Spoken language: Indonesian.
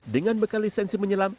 dengan bekal lisensi menyelam